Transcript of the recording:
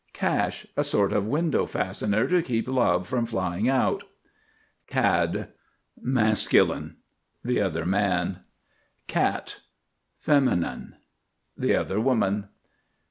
CASH. A sort of window fastener to keep Love from flying out. CAD, m. The other man. CAT, f. The other woman.